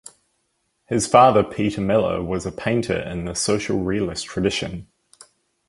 His father Peter Miller was a painter in the social realist tradition.